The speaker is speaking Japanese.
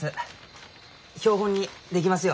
標本にできますよ。